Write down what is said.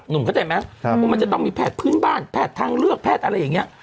เข้าใจไหมว่ามันจะต้องมีแพทย์พื้นบ้านแพทย์ทางเลือกแพทย์อะไรอย่างนี้